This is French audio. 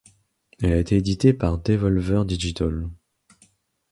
Elle a été éditée par Devolver Digital.